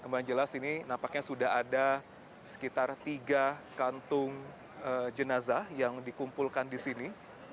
yang jelas ini nampaknya sudah ada sekitar tiga kantung jenazah yang dikumpulkan di sini